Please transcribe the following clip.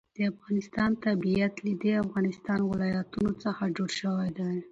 د افغانستان طبیعت له د افغانستان ولايتونه څخه جوړ شوی دی.